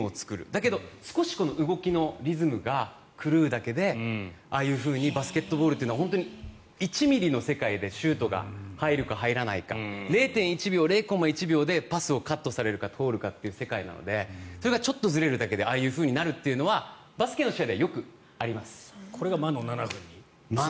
だけど、少し動きのリズムが狂うだけでああいうふうにバスケットボールというのは１ｍｍの世界でシュートが入るか入らないか０．１秒、０コンマ１秒でパスをカットされるか通るかという世界なのでそれがちょっとずれるだけでああいうふうになるというのはこれが魔の７分間。